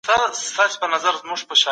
د علومو ترمنځ همکاري اړینه ده.